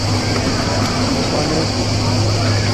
آپانس